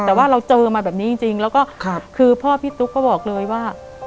แต่ว่าเราเจอมาแบบนี้จริงแล้วก็คือพ่อพี่ตุ๊กก็บอกเลยว่า